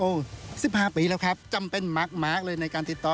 โอ้โห๑๕ปีแล้วครับจำเป็นมากเลยในการติดต่อ